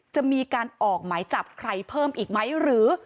จะมีการออกหมายจับใครเพิ่มอีกไหมหรือ